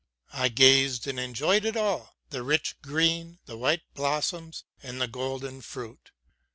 I gazed and enjoyed it all, the rich green, the white blossoms and the golden fruit.